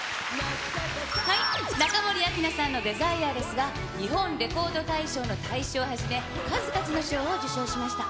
中森明菜さんのＤＥＳＩＲＥですが、日本レコード大賞の大賞をはじめ、数々の賞を受賞しました。